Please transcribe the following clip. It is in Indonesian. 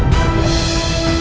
kau akan menang